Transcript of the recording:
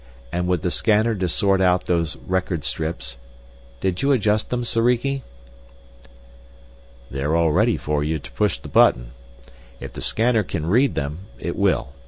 And with the scanner to sort out those record strips did you adjust them, Soriki?" "They're all ready for you to push the button. If the scanner can read them, it will.